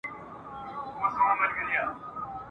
موږ به پورته کړو اوږده څانګه په دواړو ..